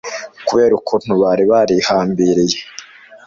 kubera ukuntu bari barihambiriye